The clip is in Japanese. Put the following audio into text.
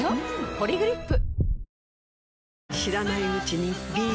「ポリグリップ」